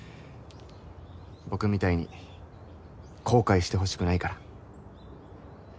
僕みたいに後悔してほしくないから。